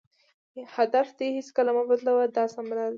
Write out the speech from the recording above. هدف دې هېڅکله مه بدلوه دا سمه لار ده.